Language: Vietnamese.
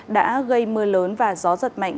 đã gây mưa lớn và gió giật mạnh